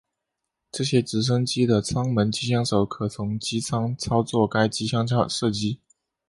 这些直升机的舱门机枪手可从机舱操作该机枪射击。